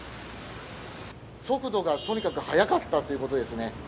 速度がとにかく速かったということですね。